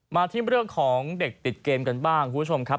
มาที่เรื่องของเด็กติดเกมกันบ้างคุณผู้ชมครับ